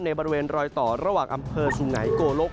บริเวณรอยต่อระหว่างอำเภอสุไงโกลก